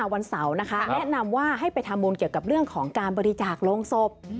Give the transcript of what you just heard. วันเสาร์นะคะแนะนำว่าให้ไปทำบุญเกี่ยวกับเรื่องของการบริจาคโรงศพ